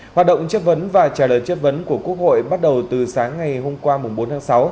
hoạt động chất vấn và trả lời chất vấn của quốc hội bắt đầu từ sáng ngày hôm qua bốn tháng sáu